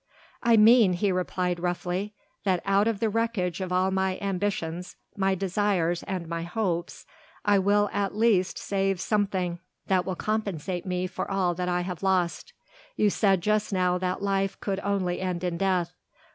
"I mean," he replied roughly, "that out of the wreckage of all my ambitions, my desires and my hopes I will at least save something that will compensate me for all that I have lost. You said just now that life could only end in death.